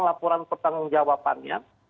laporan pertanggung jawabannya